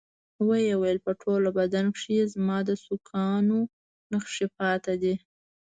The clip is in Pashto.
ويې ويل په ټول بدن کښې يې زما د سوکانو نخښې پاتې دي.